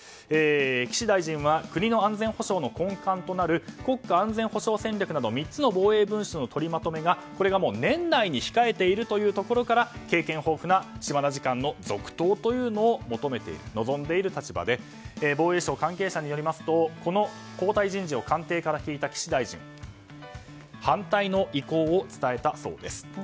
岸大臣は国の安全保障の根幹となる国家安全保障戦略など３つの文書の取りまとめが年内に控えているというところから経験豊富な島田次官の続投を望んでいる立場で防衛省関係者によりますとこの交代人事を官邸で聞いた岸大臣、反対の意向を伝えたそうです。